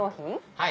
はい。